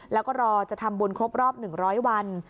แล้วก็รอจะทำบุญครบรอบ๑๐๐วัน